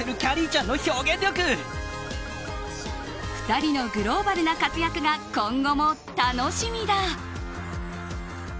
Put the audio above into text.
２人のグローバルな活躍が今後も楽しみだ。